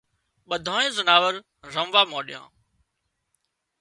ٻڌانئي زناور رموا مانڏيا